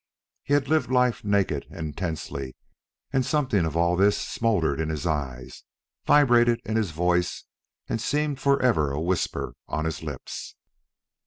He had lived life naked and tensely, and something of all this smouldered in his eyes, vibrated in his voice, and seemed forever a whisper on his lips.